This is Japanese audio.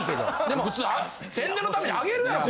でも普通宣伝のためにあげるやろ。